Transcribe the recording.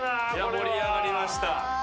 盛り上がりました。